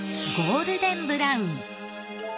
ゴールデンブラウン。